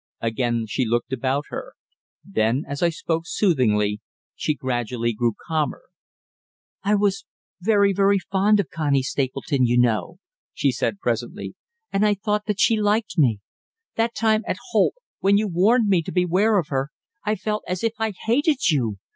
Again she looked about her. Then, as I spoke soothingly, she gradually grew calmer. "I was very, very fond of Connie Stapleton, you know," she said presently, "and I thought that she liked me. That time, at Holt, when you warned me to beware of her, I felt as if I hated you.